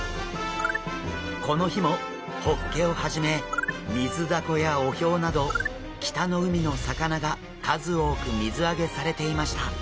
この日もホッケをはじめミズダコやオヒョウなど北の海の魚が数多く水揚げされていました。